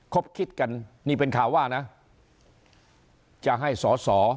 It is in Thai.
คิดกันนี่เป็นข่าวว่านะจะให้สอสอ